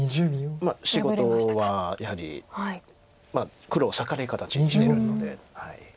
まあ仕事はやはり黒を裂かれ形にしてるので。